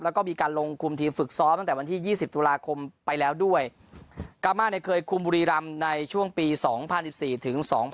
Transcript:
แล้วก็มีการลงคุมทีมฝึกซ้อมตั้งแต่วันที่๒๐ตุลาคมไปแล้วด้วยกามาเนี่ยเคยคุมบุรีรำในช่วงปี๒๐๑๔ถึง๒๐